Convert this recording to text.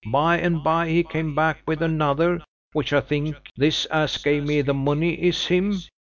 By and by, he came back with another, which I think this as gave me the money is him.